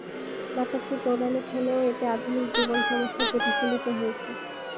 নাটকটি পৌরাণিক হলেও এতে আধুনিক জীবন-সমস্যা প্রতিফলিত হয়েছে।